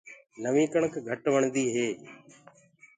نوينٚ ڪڻڪ گھٽ وڻدي هي۔